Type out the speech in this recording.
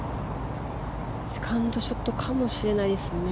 セカンドショットかもしれないですね。